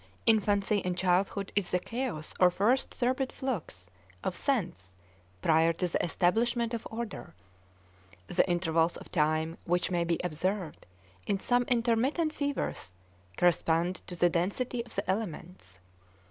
Infancy and childhood is the chaos or first turbid flux of sense prior to the establishment of order; the intervals of time which may be observed in some intermittent fevers correspond to the density of the elements.